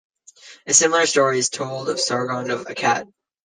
A similar story is told of Sargon of Akkad.